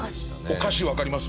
おかしわかります？